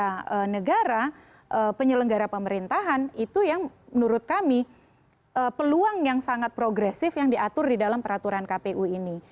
penyelenggara negara penyelenggara pemerintahan itu yang menurut kami peluang yang sangat progresif yang diatur di dalam peraturan kpu ini